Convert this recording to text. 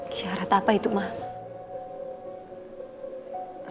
syarat apa itu mama